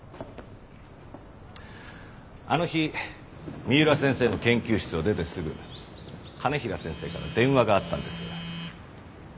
あの日三浦先生の研究室を出てすぐ兼平先生から電話があったんです。